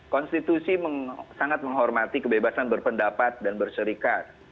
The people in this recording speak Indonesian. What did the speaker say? konstitusi sangat menghormati kebebasan berpendapat dan berserikat